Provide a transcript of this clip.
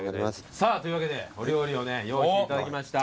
さぁというわけでお料理を用意していただきました。